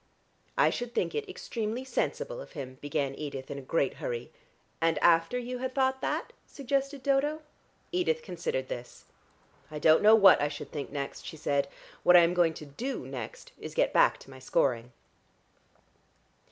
"I should think it extremely sensible of him," began Edith in a great hurry. "And after you had thought that!" suggested Dodo. Edith considered this. "I don't know what I should think next," she said. "What I'm going to do next is to get back to my scoring."